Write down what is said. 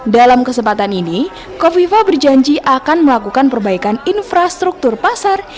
dalam kesempatan ini kofifa berjanji akan melakukan perbaikan infrastruktur pasar